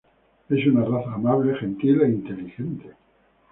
Es una raza amable, gentil e inteligente.